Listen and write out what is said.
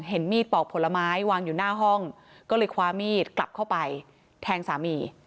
เห็นมีดปอกผลไม้วางอยู่หน้าห้องก็เลยคว้ามีดกลับเข้าไปแทงสามี